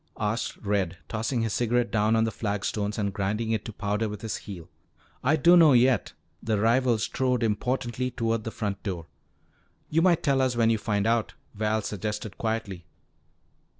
asked Red, tossing his cigarette down on the flagstones and grinding it to powder with his heel. "I dunno yet." The rival strode importantly toward the front door. "You might tell us when you find out," Val suggested quietly.